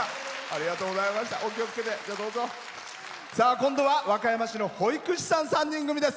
今度は和歌山市の保育士さん３人組です。